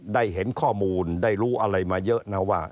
ได้เห็นข้อมูลได้รู้อะไรมาเยอะนะว่า